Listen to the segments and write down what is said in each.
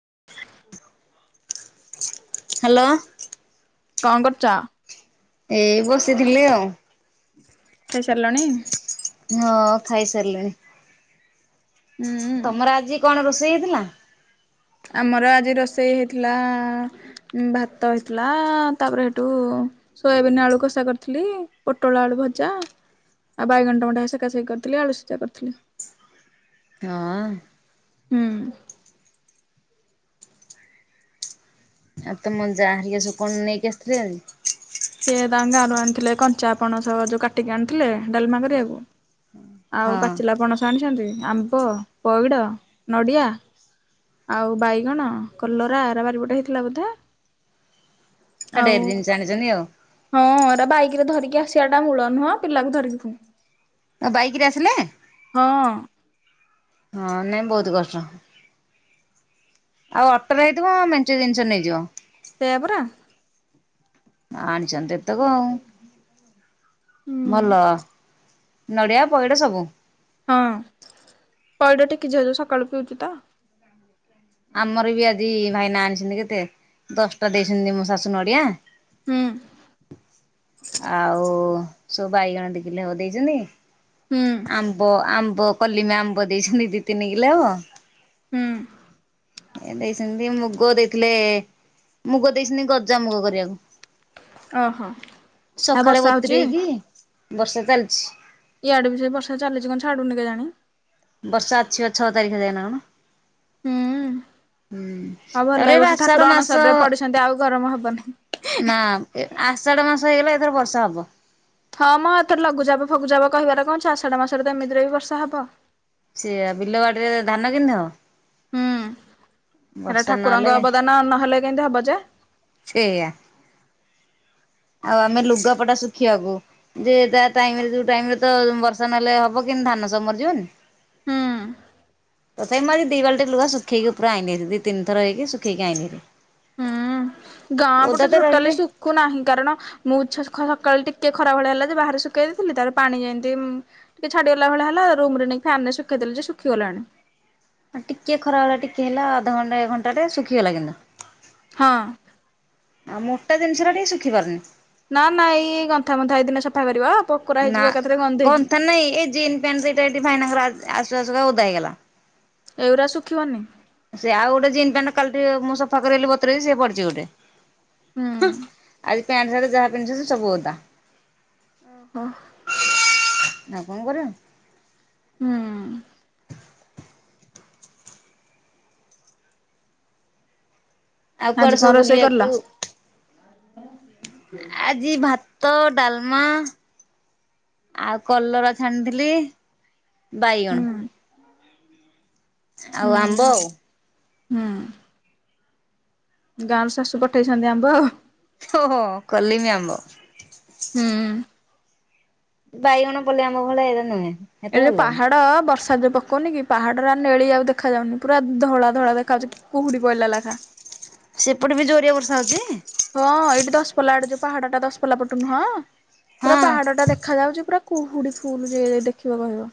[inaudible] Hello. କଣ କରୁଛ? ଏଇ ବସିଥିଲି ଆଉ। ଖାଇ ସାରିଲଣି। ହଁ ଖାଇ ସାରିଲିଣି। ହୁଁ ତମର ଆଜି କଣ ରୋଷେଇ ହେଇଥିଲା? ଆମର ଆଜି ରୋଷେଇ ହେଇଥିଲା ଭାତ ହେଇଥିଲା ତାପରେ ହେଟୁ ସୋୟାବିିନ ଆଳୁ କଷା କରିଥିଲି ପୋଟଳ ଆଳୁ ଭଜା। ଆଉ ବାଇଗଣ ଟମାଟୋ ହେଇ ସେକାସେକି କରିଥିଲି ଆଳୁସିଝା କରିଥିଲି। ହଁ। ହୁଁ। ଆଉ ତମ ଯା ହେରିକା ସବୁ କଣ ନେଇକି ଆସିଥିଲେ ଗାଁରୁ? ସିଏ ତାଙ୍କ ଗାଁରୁ ଆଣିଥିଲେ କଞ୍ଚାପଣସ ଯୋଉ କାଟିକି ଆଣିଥିଲେ ଡାଲମା କରିବାକୁ। ଆଉ ହଁ ପାଚିଲା ପଣସ ଆଣିଛନ୍ତି ଆମ୍ବ, ପଇଡ଼ ନଡ଼ିଆ ଆଉ ବାଇଗଣ କଲରା ଏରା ବାରିପଟେ ହେଇଥିଲା ବୋଧେ। ଢ଼େରେ ଆଉ ଜିନଷ ଆଣିଛନ୍ତି ଆଉ। ହଁ ଏରା ବାଇକରେ ଧରିକି ଆସିବାଟା ମୂଳ ନୁହଁ ପିଲାକୁ ଧରିକି ଫୁଣି। ଆଉ ବାଇକରେ ଆସିଲେ? ହଁ ନାଇଁ ବହୁତ କଷ୍ଟ। ଆଉ ଅଟୋରେ ଆଇଥିବ ମେଞ୍ଚେ ଜିନିଷ ନେଇଯିବ। ସେୟା ପରା। ଆଣିଛନ୍ତି ଏତେକ ଆଉ ହୁଁ ଭଲ। ନଡ଼ିଆ ପଇଡ଼ ସବୁ। ହଁ ପଇଡ଼ ଟିକି ଝିଅ ଯଉ ସକାଳୁ ପୁଇଚି ତ। ଆମର ବି ଆଜି ଭାଇନା ଆଣିଛନ୍ତି କେତେ ଦଶଟା ଦେଇଛନ୍ତି ମୋ ଶାଶୁ ନଡିଆ ହୁଁ। ଆଉ ସବୁ ବାଇଗଣ ଦି କିଲେ ହବ ଦେଇଚନ୍ତି। ହୁଁ ଆମ୍ବ ଆମ୍ବ କଲିମି ଆମ୍ବ ଦେଇଛନ୍ତି ଦି ତିନି କିଲେ ହବ। ହୁଁ ଏ ଦେଇଚନ୍ତି ମୁଗ ଦେଇଥିଲେ। ମୁଗ ଦେଇଚନ୍ତି ଗଜା ମୁଗ କରିଆକୁ। ଓହୋ ଆଉ ବର୍ଷା ହଉଚି? ବତୁରେଇକି ବର୍ଷା ଚାଲିଛି। ଇଆଡେ ବି ସେଇ ବର୍ଷା ଚାଲିଚି କଣ ଛାଡୁନି କେଜାଣି। ବର୍ଷା ଅଛି ବା ଛଅ ତାରିଖ ଯାଏ ନା କଣ? ହୁଁ। ହୁଁ ଆଉ ତାପରେ ଭଲ ଏଇ ଏବେ ବର୍ଷ ଆଷାଢ ଠାକୁର ମାସ ଅଣସରରେ ପଡିଛନ୍ତି ଆଉ ଗରମ ହବ ନାହିଁ। ନା ଏ ଆଷାଢ ମାସ ହେଇଗଲା ଏଥର ବର୍ଷା ହବ। ହଁ ମ ଏଥର ଲଘୁଚାପ ଫଗୁଚାପ କହିବାରେ କଣ ଅଛି ଆଷାଢ ମାସରେ ତ ଏମିତିରେ ବି ବର୍ଷା ହବ। ସେଇଆ ବିଲ ବାଡିରେ ଧାନ କିମିତି ହବ? ଏଇଟା ବର୍ଷା ନହେଲେ ଠାକୁରଙ୍କ ଅବଦାନ ନହେଲେ କେମତି ହବ ଯେ? ସେୟା। ଆଉ ଆମେ ଲୁଗା ପଟା ଶୁଖିବାକୁ ଯେ ତା ଟାଇମରେ ଯୋଉ ଟାଇମରେ ତ ବର୍ଷା ନହେଲେ ହବ କେ ଧାନ ସବୁ ମରି ଯିବନି। ହୁଁ। ତଥାପି ମୁଁ ଆଜି ଦି ବାଲଟି ଲୁଗା ଶୁଖେଇକି ପୁରା ଆଇଁଲି ଭାରି ଦି ତିିନି ଥର ହେଇକି ଶୁଖେଇକି ଆଇଁଲି ଭାରି। ହୁଁ ଗାଁ ପଟେ ତ ଟୋଟାଲି ରହିଲେ ଶୁଖୁ ନାହିଁ କାରଣ ମୁଁ ଛ ଖ ସକାଳେ ଟିକେ ଖରା ଭଳିଆ ହେଲା ଯେ ବାହାରେ ଶୁଖେଇ ଦେଇଥିଲି ତାପରେ ପାଣି ଯେମତି ଉଁ ଟିକେ ଛାଡିଗଲା ଭଳିଆ ହେଲା ରୁମ ରେ ନେଇ ଫ୍ୟାନରେ ଶୁଖେଇ ଦେଲି ଯେ ଶୁଖିଗଲାଣି। ଆଉ ଟିକିଏ ଖରାବେଳେ ଟିକେ ହେଲା ଅଧଘଣ୍ଟାଏ ଘଣ୍ଟାଟେ ଶୁଖିଗଲା କିନ୍ତୁ। ହଁ। ଆଉ ମୋଟା ଜିନିଷଗୁଡା ଟିକେ ଶୁଖି ପାରୁନି। ନା ନା ଏଇ ଏଇ ଗନ୍ଥା ବନ୍ଥା ଏଇ ଦିନେ ସଫା କରିବ? ନା କନ୍ଥା ନାଇଁ ଏଇ ଜିନ୍ ପ୍ୟାଣ୍ଟ ଦିଟା ଏଇଠି ଭାଇନାଙ୍କର ଆ-ଆସୁ ଆସୁ ବା ଓ ଦା ହେଇଗଲା। ଏଇଗୁରା ଶୁଖିବନି। ସେ ଆଉ ଗୋଟେ ଜିନ୍ ପ୍ୟାଣ୍ଟ କାଲି ଟିକେ ମୁଁ ସଫା କରେଇଲି ବତୁରେଇକି ସିଏ ପଡିଚି ଗୋଟେ। ହୁଁ। ଆଜି ପ୍ୟାଣ୍ଟ ସାର୍ଟ ଯାହା ପିନ୍ଧୁଛନ୍ତି ସବୁ ଓଦା। ଓହୋ। ଆଉ କଣ କରିବ? ହୁଁ। ଆଉ ଆଜି କୁଆଡେ କଣ ସବୁ ରୋଷେଇ କରିଲ? ବୁଲିଆକୁ ଆଜି ଭା ତ ଡାଲମା ଆଉ କଲରା ଛାଣିଥିଲି। ହୁଁ ବାଇଗଣ ଆଉ ଆମ୍ବ ହୁଁ ଆଉ। ହୁଁ। ଗାଁରୁ ଶାଶୁ ପଠେଇଛନ୍ତି ଆମ୍ବ ଆଉ। ହଁ ହଁ କଲିମି ଆମ୍ବ। ହୁଁ। ବାଇଗଣ ପଲେଇ ଆମ୍ୱ ଭଳିଆ ଏଇରା ନୁହେଁ। ଏତେ ଏ ଯୋଉ ଭଲ ଲାଗୁନି। ପାହାଡ ବର୍ଷା ର୍ଷା ଯୋଉ ପକଉନି କି ପାହାଡ ଗୁରା ନେଳି ଆଉ ଦେଖାଯାଉନି। ପୁରା ଧଳା ଧଳା ଦେଖାଯାଉଛି କୁହୁଡି ପହିଲା ଲେଖାଁ। ସେପଟେ ବି ଜୋରିଆ ବର୍ଷା ହଉଛି? ହଁ ଏଇଠି ଦଶପଲ୍ଲା ଆଡେ ଯୋଉ ପାହାଡଟା ଦଶପଲ୍ଲା ପଟୁ ନୁହଁ ପୁରା ହଁ। ପାହାଡଟା ଦେଖା ଯାଉଛି ପୁରା କୁହୁଡି ଫୁଲ ଯେ ଯିଏ ଦେଖିବ କହିବ।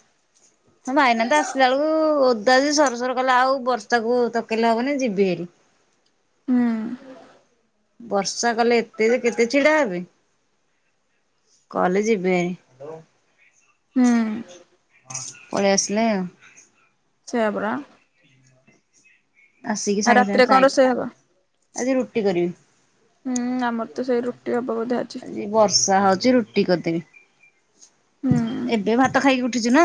ହଁ ଭାଇନା ତ ଆସିଲା ବେଳକୁ ଓଦା ଯେ ସରସର କଲା ଆଉ ବର୍ଷାକୁ ତକେଇଲେ ହବନି ଯିବି ହେରି। ହୁଁ। ବର୍ଷା କଲେ ଏତେ ଯେ କେତେ ଛିଡା ହେବି। କଲେ ଯିବେନେଇ। ହୁଁ। ପଳେଇ ଆସିଲେ ଆ ସେୟା ପରା। ଆସିକି ଆଉ ସାଙ୍ଗେ ରାତିରେ ସାଙ୍ଗେ କଣ ରୋଷେଇ ହବ? ସାଇଁ ଆଜି ରୁଟି କରିବି। ହୁଁ ଆମ ଆଜି ବର୍ଷା ହଉଛି ରୁଟି କରିଦେବି। ହୁଁ। ଏବେ ଭାତ ଖାଇକି ଉଠିଛୁ ନା।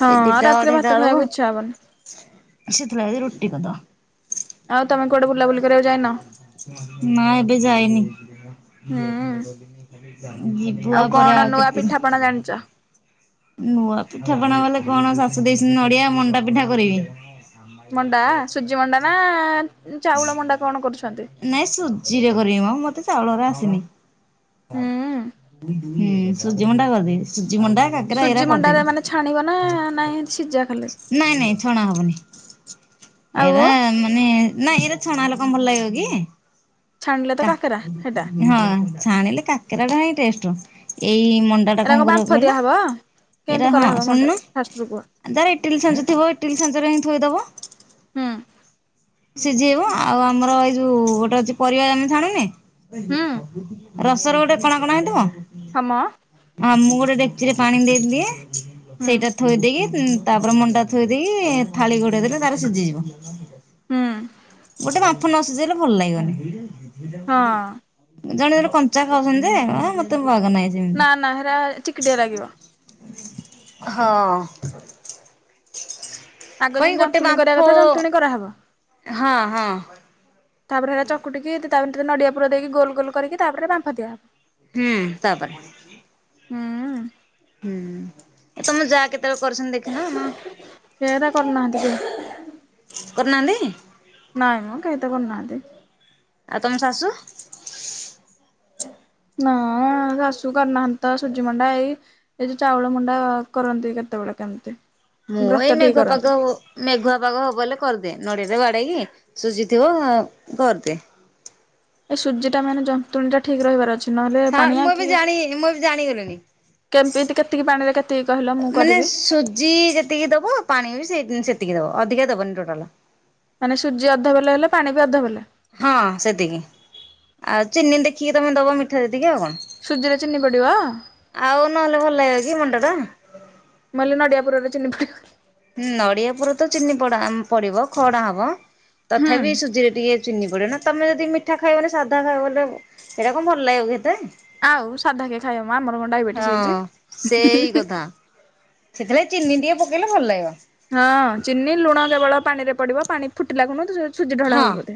ହଁ ଆଉ ଦିଟା ରାତିରେ ଭାତ ଅଢ଼େଇଟା ବେଳକୁ, ଖାଇବାକୁ ଇଚ୍ଛା ହବନି ସେଥିପାଇଁ ଆଜି ରୁଟି କରିଦବ। ଆଉ ତମେ କୁଆଡେ ବୁଲାବୁଲି କରିଆକୁ ଯାଇନ? ନା ଏବେ ଯାଇନି। ହୁଁ ଯିବୁ ଆ କଣ ପରେ ଆଉ ନୂଆ କେତେ ପିଠାପଣା ଦିନ? ଜାଣିଛ? ନୂଆ ପିଠା ପଣା ଗଲେ କଣ ଶାଶୂ ଦେଇଛନ୍ତି ନଡିଆ ମଣ୍ଡା ପିଠା କରିବି ମଣ୍ଡା, ସୁଜି ମଣ୍ଡା ନା ଚାଉଳ ମଣ୍ଡା କଣ କରୁଛନ୍ତି? ନାଇଁ ସୁଜିରେ କରିବି ମ ମତେ ଚାଉଳ ମଣ୍ଡା ଆସେନି। ହୁଁ ହୁଁ ସୁଜି ମଣ୍ଡା କରଦେବି ସୁଜ୍ ସୁଜି ମଣ୍ଡା, କାକରା ଏଇରା ସୁଜି ମଣ୍ଡାରେ କରିଦେବି। ମାନେ ଛାଣିବ ନା ନାଇଁ ସିଝା ଖାଲି? ନାଇଁ ନାଇଁ ଛଣା ହବନି। ଆଉ ଏଇରା ମାନେ ନାଇଁ ଏଇରା ଛଣା ହେଲେ ଭଲ ଲାଗିବ କି? ଛାଣିଲେ ତ କା କାକେରା ହେଟା ହଁ ଛାଣିଲେ କାକେରା ଟା ହିଁ ଟେଷ୍ଟର ଏଇ ମଣ୍ଡାଟା ଏରା କଣ କରିବ ବାମ୍ଫ କହିଲ, ଦିଆହବ? କେମିତି ଏଇଟା ହଁ କରାହବ ମଣ୍ଡା ଶୁଣୁନୁ ଟା ଫାଷ୍ଟରୁ କୁହ ଯାର ଇଟିଲି ଛାଞ୍ଚ ଥିବ ଇଟିଲି ଛାଞ୍ଚରେ ହିଁ ଥୋଇଦବ ହୁଁ। ସିଜେଇବ, ଆଉ ଆମର ଏଇ ଯୋଉ ଗୋଟେ ଅଛି ପରିବା ଆମେ ଛାଣୁନେ ହୁଁ ରସ ର ଗୋଟେ କଣା କଣା ହେଇଥିବ, ହଁ ମ ହଁ ମୁଁ ଗୋଟେ ଡେ କଚିରେ ପାଣି ଦେଇଦିଏ, ହୁଁ ସେଇଟା ଥୋଇ ଦେଇକି ତାପରେ ମଣ୍ଡା ଥୋଇ ଦେଇକି, ଥାଳି ଘୋଡେଇଦେଲେ ତାର ସିଜିଯିବ। ହୁଁ। ଗୋଟେ ବାମ୍ଫ ନ ସିଜେଇଲେ ଭଲ ଲାଗିବନି। ହଁ ଜଣେ ଜଣେ କଞ୍ଚା ଖାଉଛନ୍ତି ଯେ ହଁ ମତେ ବାଗ ନାହିଁ ସେମିତି। ନା ନା ହେଇରା ଚିକିଟିଆ ଲାଗିବ। ହଁ। ଆଗ ଯେମିତି କଇଁ ଗୋଟେ ଜନ୍ତୁଣି କରିବା ବାମ୍ଫ କଥା ଜନ୍ତୁଣି କରାହବ। ହଁ ହଁ। ତାପରେ ହେଇରା ଚକୁଟିକି, ତା ଭିତରେ ନଡିଆ ପୁର ଦେଇକି ଗୋଲ ଗୋଲ କରିକି ତାପରେ ବାମ୍ଫ ଦିଆହବ। ହୁଁ। ତାପରେ ହୁଁ। ହୁଁ। ଏ ତମ ଯାଆ କେତ୍ କେତେବେଳେ କରୁଛନ୍ତି ଦେଖିନ ମ ସେରା କରୁନାହାନ୍ତି କେହି କରୁନାହାଁନ୍ତି? ନାଇଁ ମ କେହି ତ କରୁନାହାଁନ୍ତି। ଆଉ ତମ ଶାଶୁ [inaudible] ନା ଶାଶୁ କରିନାହାନ୍ତି ତ ସୁଜି ମଣ୍ଡା ଏଇ ଏ ଯଉ ଚାଉଳ ମଣ୍ଡା କରନ୍ତି କେତେବେଳେ। [unintelligible] ମୁଁ ବ୍ରତ ଏଇ ଠିକ ମେଘୁଆ କରନ୍ତି। ପାଗ ହ ମେଘୁଆ ପାଗ ହବ ବୋଲି କରିଦିଏ। ନଡିଆରେ ବାଡେଇକି ସୁଜିଥିବ କରିଦିଏ। ଏ ସୁଜିଟା ମାନେ ଯନ୍ତୁଣୀଟା ଠିକ୍ ରହିବାର ଅଛି। ନହେଲେ ହଁ ପାଣିଆ ମୁଁ ଏବେ କି ଜାଣି ମୁଁ ଏବେ ଜାଣିଗଲିଣି। କେମିତି କେତିକି ପାଣିରେ କେ ମାନେ ସୁଜି ଯେତିକି ଦବ ପାଣି ବି ସେତିକି ଦବ। ଅଧିକା ଦବନି ଟୋଟାଲ। ମାନେ ସୁଜି ଅଧ ବେଲେ ହେଲେ ପାଣି ବି ଅଧ ବେଲେ। ହଁ ସେତିକି। ଆଉ ଚିନି ଦେଖିକି ତମେ ଦବ ମିଠା ତିକି ଆଉ କଣ। ସୁଜିରେ ଚିନି ପଡିବ ଆଉ ନହେଲେ ଭଲ ହେଇିବ କି ମଣ୍ଡା ଟା। ମୁଁ କହିଲି ନଡ଼ିଆପୁରରେ ଚିନି ପଡ଼ିବ ନଡିଆ ପୁର ତ ଚିନି ପଡା ପଡିବ ଖଅଡା ହବ। ହୁଁ ତଥାପି ସୁଜିରେ ଟିକେ ଚିନି ପଡେ ନା। ତମେ ଯଦି ମିଠା ଖାଇବନି ସାଧା ଖାଇବ ବଲେ ସେଇଟା କଣ ଭଲ ଲାଗିବ କି ହେତେ। ଆଉ ସାଧା କେ ଖାଇବ ମ ଆମର କଣ ଡାଇବେଟିସ ହଁ ସେଇ ହେଇଛି। କଥା। ସେଥିଲାଗି ଚିନି ଟିକେ ପକେଇଲେ ଭଲ ଲାଗିବ। ହଁ ଚିନି ଲୁଣ କେବଳ ପାଣି ରେ ପଡିବ ପାଣି ଫୁଟିଲା ଖୁଣୁ ସୁଜି ଢଳା ହଁ ହବ ବୋଧେ।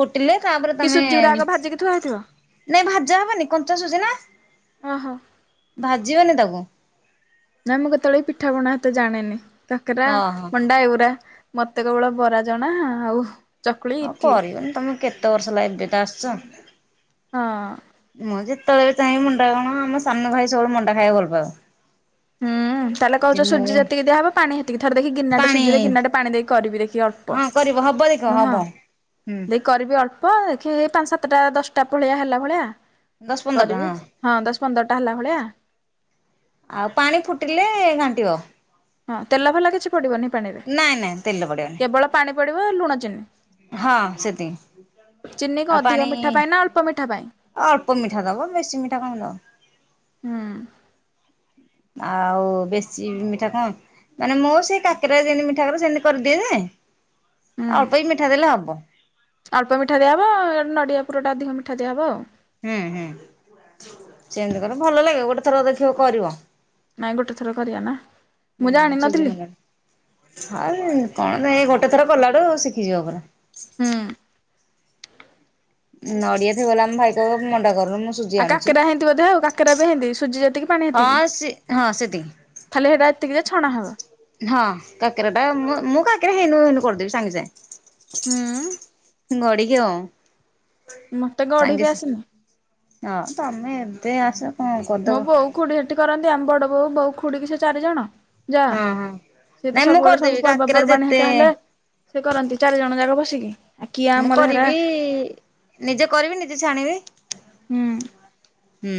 ଫୁଟିଲେ ତାପରେ କି ତମେ ସୁଜି ଗୁରା ଆଗ ଭାଜିକି ଥୁଆ ହେଇଥିବ ନାଇଁ ଭାଜା ହବନି କଞ୍ଚା ସୁଜି ନା ଓହୋ। ଭାଜିବନି ତାକୁ। ନା ମୁଁ କେତେବେଳେ ବି ପିଠା ପଣା ହେତେ ଜାଣେନି। କାକରା, ହଁ ହଁ। ମଣ୍ଡା ଏଉରା। ମତେ କେବଳ ବରା ଜଣା। ଆଉ ଚକୁଳି ହଁ ଇଟଲି କରିବନି ତମେ କେତେ ବର୍ଷ ହେଲା ଏବେ ତ ଆସିଛ। ହଁ। ମୁଁ ଯେତେବେଳେ ବି ଚାହିଁବି ମଣ୍ଡା କଣ ଆମ ସାନ ଭାଇ ସବୁବେଳେ ମଣ୍ଡା ଖାଇବାକୁ ଭଲ ପାଉ। ହୁଁ। ହୁ ତାହେଲେ ଯେ କହୁଛ ମୁଁ ସୁଜି ଯେତିକି ଦିଆହବ ପାଣି ସେତିକି ଥର ଦେଖି ଗିନାଟେ ପାଣି ସୁଜି ରେ ଗିନାଟେ ପାଣି ଦେଇକିି କରିବି ଦେଖି ଅଳପ। ହଁ କରିବ ହବ ଦେଖ ହଁ ହବ। ହୁଁ ଦେଇ କରିବି ଅଳ୍ପ ହଁ ଦେଖି ପାଞ୍ଚ ସାତଟା ଦଶଟା ଭଳିଆ ହେଲା ଭଳିଆ ଦଶ ପନ୍ଦର କରିବି ଟା। ହଁ ଦଶ ପନ୍ଦରଟା ହେଲା ଭଳିଆ। ଆଉ ପାଣି ଫୁଟିଲେ ଘାଣ୍ଟିବ। ହଁ ତେଲ ଫେଲ କିଛି ପଡିବନି ପାଣିରେ। ନାଇଁ ନାଇଁ ତେଲ ପଡିବନି କେବଳ ପାଣି ପଡିବ ଲୁଣ ଚିନି। ହଁ ସେତିକି। ଚିନିକ ଆଉ ଅଧିକ ପାଣି ମିଠା ପାଇଁ ନା ଅଳ୍ପ ମିଠା ପାଇଁ ଅଳ୍ପ ମିଠା ଦବ ବେଶୀ ମିଠା କଣ ଦବ। ହୁଁ ଆଉ ବେଶୀ ମିଠା କଣ ମାନେ ମୁଁ ସେଇ କାକରା ଯେମତି ମିଠା କରେ ସେମିତି କରିଦିଏ ଯେ। ହୁଁ। ଅଳ୍ପ ବି ମିଠା ଦେଲେ ହବ। ଅଳ୍ପ ମିଠା ଦିଆହବ ନଡିଆ ପୁରଟା ଅଧିକ ମିଠା ଦିଆହବ ଆଉ। ହୁଁ ହୁଁ ସେମିତି କଲେ ଭଲ ଲାଗିବ। ଗୋଟେ ଥର ଦେଖିବ କରିବ। ନାଇଁ ଗୋଟେ ଥର କରିବା ନା ମୁଁ ହୁଁ ସୁଜି ଜାଣିନଥିଲି ମଣ୍ଡା। [unintelligible] କଣ ନା ଏ ଗୋଟେ ଥର କଲାଡୁ ଶିଖିଯିବ ପୁରା। ହୁଁ। ନଡିଆ ଥିବ ମାନେ ମୋ ଭାଇ କହିବ ମଣ୍ଡା କର। ଆଉ କାକରା ହେଇନ୍ତି ବୋଧେ ଆଉ କାକେରା ବି ହେଇତି ସୁଜି ଯେତିକି ପାଣି ହେତିକି। ହଁ ସେ ହଁ ସେତିକି ଖାଲି ହେରା ହଁ କାକେରା ଟା ମୁଁ କାକେରା ହେନୁ ହେନୁ କରିଦେବି ସାଙ୍ଗେ ସାଙ୍ଗେ। ହୁଁ [unintelligible] ସାଙ୍ଗେ ମତେ ଗଢ଼ି ବି ଆସିନି ସାଙ୍ଗ ହଁ ତମେ ଏବେ ତ ଆସ କଣ ମୋ କରିଦବ ବୋଉ ଖୁଡି ସେଠି କରନ୍ତି ଆମ ବଡ ବୋଉ ବୋଉ ଖୁଡ କି ସେ ଚାରି ଜଣ ଯା ହଁ ହଁ। ସିଏ ତ ନାଇଁ ମୁଁ ସବୁବେଳେ କରିଦେବି ସବୁ କାକେରା ପର୍ବପର୍ବାଣିୀ ଯେତେ ହେତା ହେଲେ ସେ କରନ୍ତି ଚାରି ଜଣ ଯାକ ବସିକି। ଆଉ କିଏ ମୁଁ ଆମର ହେରା କରିବି ନିଜେ କରିବି ନିଜେ ଛାଣିବି। ହୁଁ ହୁଁ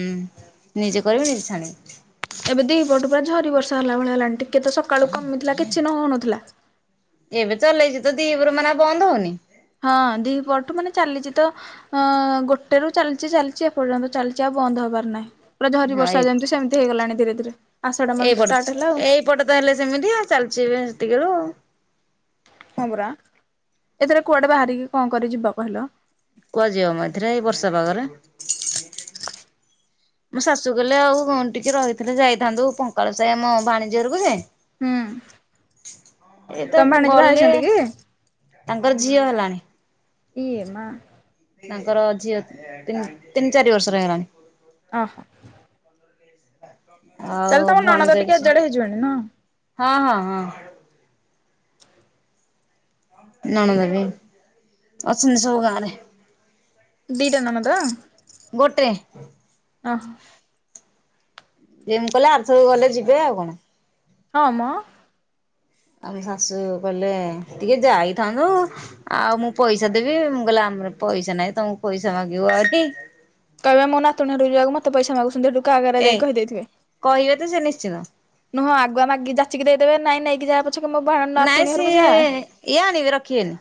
ନିଜେ କରିବି ନିଜେ ଛାଣିବି। ଏବେ ଦିପଟୁ ପୁରା ଝରି ବର୍ଷା ହେଲା ଭଳିଆ ହେଲାଣି ଟିକେ ତ ସକାଳୁ କମିଥିଲା କିଛି ନ ହଉନଥିଲା। ଏବେ ଚଲେଇଚି ତ ଦିପରୁ ମାନେ ବନ୍ଦ ହଉନି। ହଁ ଦି ପରଠୁ ମାନେ ଚାଲିଚି ତ ଅ ଗୋଟେ ରୁ ଚାଲିଚି ଚାଲିଚି ଏପର୍ଯ୍ୟନ୍ତ ଚାଲିଚି ଆଉ। ବନ୍ଦ ହବାର ନାହିଁ। ପୁରା ଝରି ହଁ ବର୍ଷା ଏଇ ଯେମିତି ସେମିତି ହେଇଗଲାଣି ଧୀରେ ଧୀରେ ଆଷାଢ ମାସ ଏଇପଟ ଷ୍ଟାର୍ଟ ହେଲା ଆଉ। ଯିବେ ସେତିକିରୁ। ହଁ ପରା ଏଥରେ କୁଆଡେ ବାହାରିକି କଣ କରି ଯିବା କହିଲ। କୁହାଯିବ ମ ଏଥିରେ ଏଇ ବର୍ଷା ପାଗରେ? ମୋ ଶାଶୁ କହିଲେ ଆଉ ଟିକେ ରହିଥିଲେ ଯାଇଥାନ୍ତୁ ପଙ୍କାଳ ସାହି ସେ ଆମ ଭାଣିଜୀ ଘରକୁ ଯେ। ହୁଁ ଏ ତ ତମ ଭାଣିଜୀ ବାହା ଗଲେ। ହେଇଛନ୍ତି କି? ତାଙ୍କର ଝିଅ ହେଲାଣି। ଏଇଏ ମା। ତାଙ୍କର ଝିଅ ତିନି ତିନି ଚାରି ବର୍ଷର ହେଇଗଲାଣି। ଓହୋ। ଆଉ ତାହେଲେ ତମ ନଣନ୍ଦ ଭଣଜା ଟିକେ ଝିଅ ଏଜେଡ ହେଇଯିବେଣି ନୁହଁ ହଁ ହଁ। ହଁ। ନଣ ଦେ ବି ଅଛନ୍ତି ସବୁ ଗାଁ ରେ। ଦିଟା ନଣଦ। ଗୋଟେ ଅ ହ। ଯେମି କହିଲେ ଆରଥରକୁ ଗଲେ ଯିବେ ଆଉ କଣ। ହ ମ। ଆମ ଶାଶୁ କହିଲେ ଟିକେ ଯାଇଥାନ୍ତୁ ଆଉ ମୁଁ ପଇସା ଦେବି ମୁଁ କହିଲି ଆ ଆମର ପଇସା ନାହିଁ ତମକୁ ପଇସା ମାଗିବ ଏବେ। କହିବେ ମୋ ନାତୁଣୀ ଘରକୁ ଯିବାକୁ ମତେ ପଇସ ମାଗୁଛନ୍ତି ସେଠୁ କା ଆଗେରେ ଏ ଯାଇ କହିଦେଇଥିବେ। କହିବେ ତ ସେ ନିଶ୍ଚିନ୍ତ ନୁହଁ ଆଗୁଆ ମାଗି ଯାଚି କି ଦେଇ ଦେବେ ନାଇଁ ନେଇକି ଯହା ନାଇଁ ସି ଇଏ ଆଣିବେ ରଖିବେନି।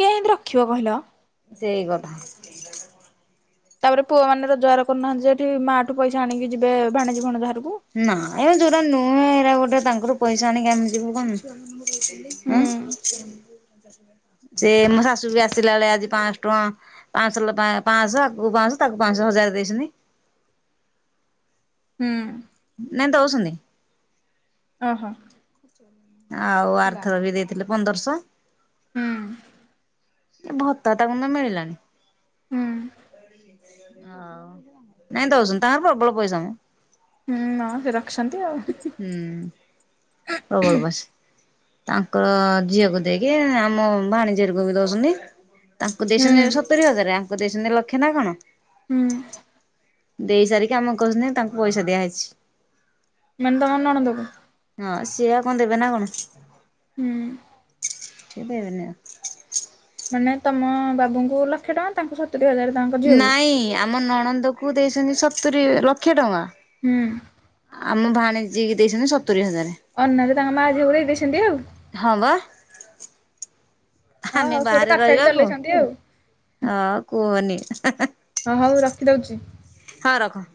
କିଏ ହେନ୍ତି ରଖିବ କହିଲ? ସେଇ କଥା। ତାପରେ ପୁଅ ମାନେ ରୋଜଗାର କରୁନାହାନ୍ତି ଯେ ଏଠି ମା ଠୁ ପଇସା ଆଣିକି ଯିବେ ଭାଣିଜୀ ଭଣଜା ଘରକୁ। ନା ଏବେ ଯୋଉରା ନୁହେଁ ଏଇରା ଗୋଟେ ତାଙ୍କର ପଇସା ଆଣିକି ଆମେ ଯିବୁ ହୁଁ କଣ। ଉଁ? ସେ ମୋ ଶାଶୁ ବି ଆସିଲା ବେଳେ ଆଜି ପାଆଁଶ ଟଙ୍କା ପାଆଁଶ ପାଆଁଶ ଆକୁ ପା ତାକୁ ପାଆଁଶ ହଜାର ଦେଇଚନ୍ତିି। ହୁଁ। ନାଇଁ ଦଉଚନ୍ତି। ଓହୋ। ଆଉ ଆର୍ଥର ବି ଦେଇଥିଲେ ପନ୍ଦରଶହ। ହୁଁ। ଏ ଭତ୍ତା ତାକୁ ତ ମିଳିଲାନି। ହୁଁ। ହ ନାଇଁ ଦଉଚନ୍ତି ତାଙ୍କର ପ୍ରବଳ ପଇସା ମ। ହୁଁ ହଁ ସେ ରଖିଛନ୍ତି ଆଉ ହୁଁ ପ୍ରବଳ ପଇସା। ତାଙ୍କର ଝିଅକୁ ଦେଇକି ଆମ ଭାଣିଜୀ ହରିକା କୁ ଦଉଛନ୍ତି। ତାଙ୍କୁ ଦେଇଛନ୍ତି ସତୁରି ହଜାର ତାଙ୍କୁ ଦେଇଛନ୍ତି ଲକ୍ଷ ନା କଣ? ହୁଁ। ଦେଇ ସାରିକି ଆମ କୁ କହୁଛନ୍ତି ତାଙ୍କୁ ପଇସା ଦିଆହେଇଛି। ମୋନେ ତୁମ ନଣଦ କୁ ହଁ ସିଏ ଆଉ ଦେବେ ନା କଣ ହୁଁ ସିଏ ଦେବେନି ଆଉ। ମାନେ ତମ ବାବୁଙ୍କୁ ଲକ୍ଷେ ଟଙ୍କା ତାଙ୍କୁ ସବୁ ନାଇଁ ଆମ ନଣନ୍ଦ କୁ କୁ ଦେଇଛନ୍ତି ସତୁରୀ ଲକ୍ଷେ ଟଙ୍କା ହୁଁ ଆମ ଭାଣିଜୀ କି ଦେଇଛନ୍ତି ସ ତୁରୀ ହଜାରେ ଅନାରେ ତାଙ୍କ ମା ଝିଅକୁ ଦେଇ ଦେଇଛନ୍ତି ଆଉ ହଁ ବା ହଁ ଆମେ ହଉ ସେ ଗୋଟେ ବାହାରେ କାରସାଇଟ ରହିବାକୁ ଚଲେଇଛନ୍ତି ଆଉ। ହଁ କୁହନି। ହଁ ହଉ ରଖିଦଉଛି। ହଁ ରଖ।